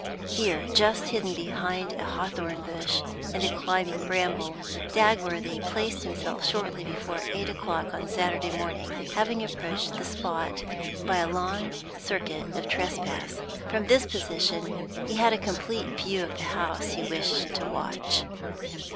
Here, just hidden behind a hawthorn bush and a climbing bramble, Dagworthy placed himself shortly before eight o'clock on Saturday morning, having approached the spot by a long circuit of trespass; from this position he had a complete view of the house he wished to watch.